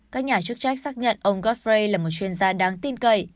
các nhà chức trách xác nhận ông gaffray là một chuyên gia đáng tin cậy